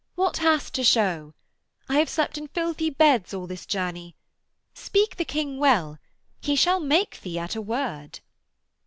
'What hast to shew? I have slept in filthy beds all this journey. Speak the King well. He shall make thee at a word.'